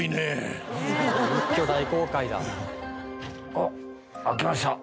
あっ開きました。